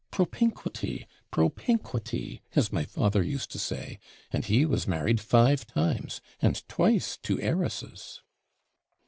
Propinquity! propinquity! as my father used to say and he was married five times, and twice to heiresses.'